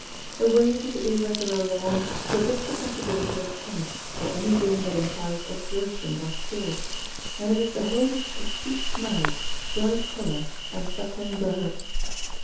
A wavy, irregular lawn forbids the possibility of tennis, or any game that implies exertion or skill, and it is the home of sweet smells, bright colour, and chuckling birds.